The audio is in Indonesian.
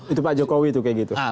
itu pak jokowi tuh kayak gitu